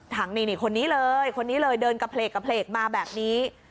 ถังหนี่คนนี้เลยเดินกระเพลกมาแบบนี้